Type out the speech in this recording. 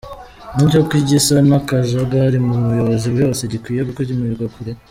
Bityo ko igisa n’akajagari mu buyobozi cyose gikwiye gukumirirwa kure.